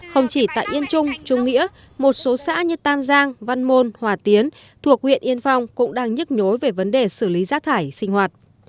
không chỉ tại yên trung trung nghĩa một số xã như tam giang văn môn hòa tiến thuộc huyện yên phong cũng đang nhức nhối về vấn đề xử lý rác thải sinh hoạt